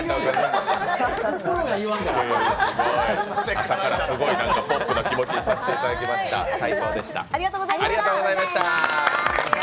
朝からすごいポップな気持ちにさせてもらいました、最高でした。